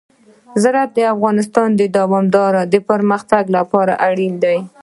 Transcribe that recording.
زراعت د افغانستان د دوامداره پرمختګ لپاره اړین دي.